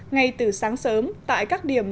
ngay từ sáng sớm tại các điểm